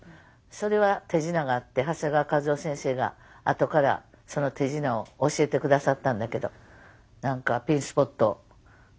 それは手品があって長谷川一夫先生が後からその手品を教えて下さったんだけど。